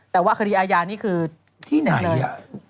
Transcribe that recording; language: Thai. แต่ว่าคดีอาญานี่คือที่หนึ่งเลย